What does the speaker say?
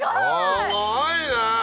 すごいね。